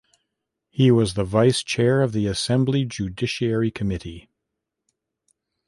He was the Vice Chair of the Assembly Judiciary Committee.